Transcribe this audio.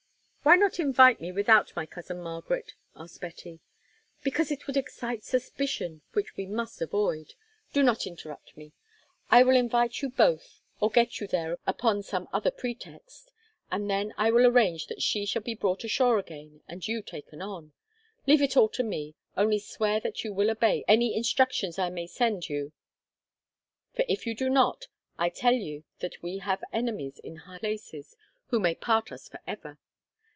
"Why not invite me without my cousin Margaret?" asked Betty. "Because it would excite suspicion which we must avoid—do not interrupt me. I will invite you both or get you there upon some other pretext, and then I will arrange that she shall be brought ashore again and you taken on. Leave it all to me, only swear that you will obey any instructions I may send you for if you do not, I tell you that we have enemies in high places who may part us for ever.